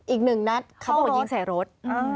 อีก๑นัดเข้ารถ